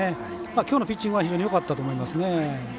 きょうのピッチングは非常によかったと思います。